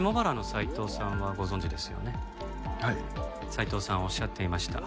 斉藤さんおっしゃっていました。